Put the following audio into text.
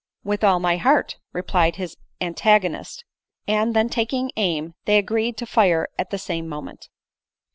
"With all my heart," replied his antagonist; and then taking aim they agreed to fire at the same moment.